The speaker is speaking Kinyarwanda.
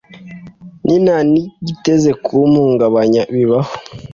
nti Nta giteze kumpungabanya bibaho